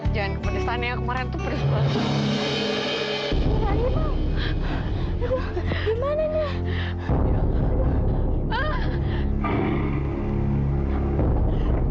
jangan kepedesan ya kemarin tuh pedes banget